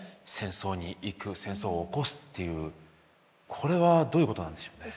これはどういうことなんでしょうね。